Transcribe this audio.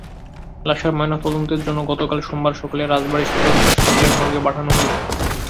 লাশের ময়নাতদন্তের জন্য গতকাল সোমবার সকালে রাজবাড়ী সদর হাসপাতালের মর্গে পাঠানো হয়েছে।